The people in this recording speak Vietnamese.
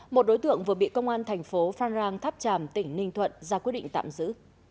một đối tượng vừa bị công an thành phố phan rang tháp tràm tỉnh ninh thuận ra quyết định tạm giữ